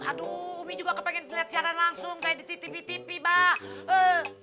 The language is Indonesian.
aduh umi juga kepengen liat siaran langsung kayak di tvtv babe